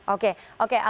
oke prof kamarudin